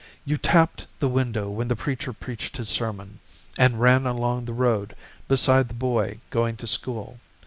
You tapped the window when the preacher preached his sermon, And ran along the road beside the boy going to school.